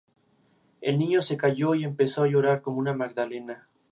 El niño se cayó y empezó a llorar como una magdalena